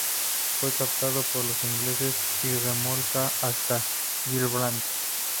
Fue capturado por los ingleses y remolcado hasta Gibraltar.